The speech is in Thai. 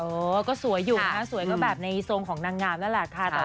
เออก็สวยอยู่นะสวยก็แบบในทรงของนางงามนั่นแหละค่ะ